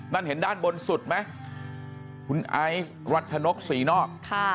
นั่นเห็นด้านบนสุดไหมคุณไอซ์รัชนกศรีนอก